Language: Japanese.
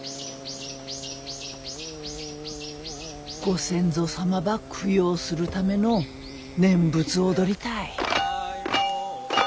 ご先祖様ば供養するための念仏踊りたい。